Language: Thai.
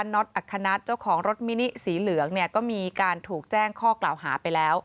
็อตอัคคณัฐเจ้าของรถมินิสีเหลืองเนี่ยก็มีการถูกแจ้งข้อกล่าวหาไปแล้ว